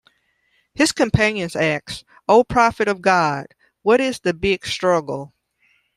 His companions asked, O prophet of God, what is the big struggle?